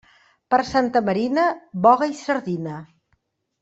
Per Santa Marina, boga i sardina.